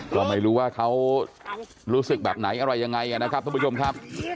ก็ไม่รู้ว่าเขารู้สึกแบบไหนอะไรยังไงนะครับทุกผู้ชมครับ